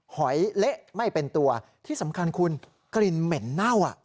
หอยเละไม่เป็นตัวที่สำคัญคุณกลิ่นเหม็นเน่า